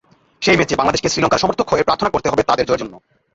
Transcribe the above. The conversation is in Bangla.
সেই ম্যাচে বাংলাদেশকে শ্রীলঙ্কার সমর্থক হয়ে প্রার্থনা করতে হবে তাদের জয়ের জন্য।